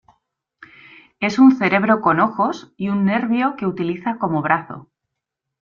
Es un cerebro con ojos y un nervio que utiliza como brazo.